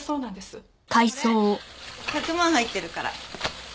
これ１００万入ってるから。